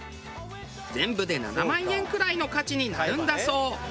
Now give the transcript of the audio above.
全部で７万円くらいの価値になるんだそう。